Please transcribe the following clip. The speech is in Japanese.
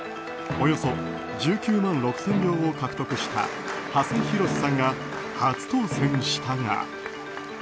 およそ１９万６０００票を獲得した馳浩さんが初当選したが。